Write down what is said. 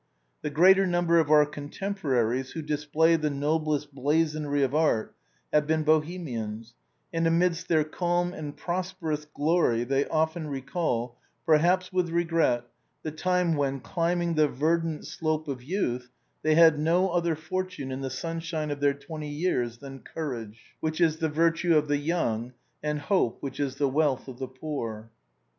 The greater number of our contemporaries who display the noblest blazonry of art have been Bohemians, and amidst their calm and prosperous glory they often recall, perhaps with regret, the time when, climbing the verdant slope of youth, they had no other fortune in the simshine of their twenty years than courage, which is the virtue of the young, and hope, which is the wealth of the poor.